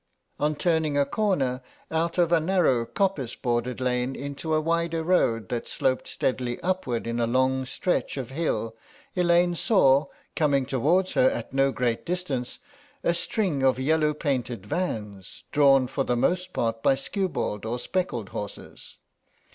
On turning a corner out of a narrow coppice bordered lane into a wider road that sloped steadily upward in a long stretch of hill Elaine saw, coming toward her at no great distance, a string of yellow painted vans, drawn for the most part by skewbald or speckled horses.